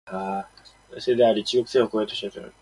「日本の内政であり、中国政府はコメントしない」としました。